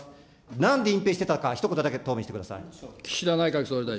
なんで隠蔽してたか、ひと言だけ答弁してください。